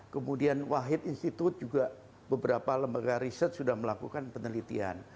kemudian wahid institute juga beberapa lembaga riset sudah melakukan penelitian